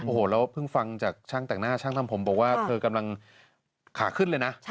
โอ้โหแล้วเพิ่งฟังจากช่างแต่งหน้าช่างทำผมบอกว่าเธอกำลังขาขึ้นเลยนะ